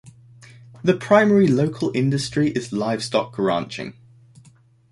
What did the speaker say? The primary local industry is livestock ranching.